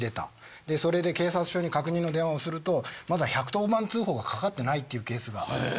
でそれで警察署に確認の電話をするとまだ１１０番通報がかかってないっていうケースが。